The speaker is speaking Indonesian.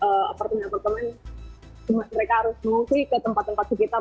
apartemen apartemen cuma mereka harus mengungsi ke tempat tempat sekitar